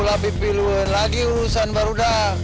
makanya ulang lagi urusan baru dah